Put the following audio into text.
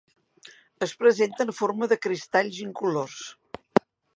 Es presenta en forma de cristalls incolors.